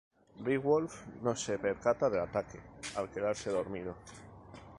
Beowulf no se percata del ataque al quedarse dormido.